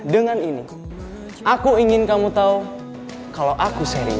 dengan ini aku ingin kamu tahu kalau aku sharing